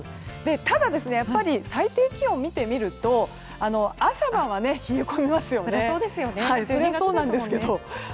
ただ、最低気温を見てみると朝晩は冷え込みますよね。